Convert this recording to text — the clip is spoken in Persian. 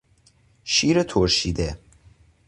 شیر ترشیده